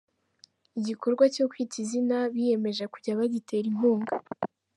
Igikorwa cyo Kwita Izina biyemeje kujya bagitera inkunga.